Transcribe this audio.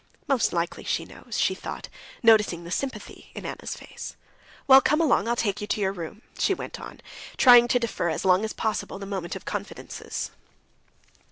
"Most likely she knows," she thought, noticing the sympathy in Anna's face. "Well, come along, I'll take you to your room," she went on, trying to defer as long as possible the moment of confidences.